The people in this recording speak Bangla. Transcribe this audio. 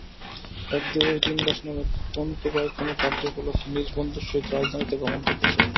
এক দিবস দীনদাস নামে তন্তুবায় কোন কার্য উপলক্ষে নিজ বন্ধুর সহিত রাজধানীতে গমন করিতেছিল।